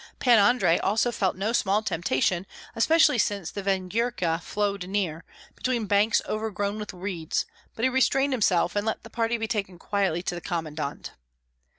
Pan Andrei also felt no small temptation, especially since the Vengyerka flowed near, between banks overgrown with reeds; but he restrained himself, and let the party be taken quietly to the commandant.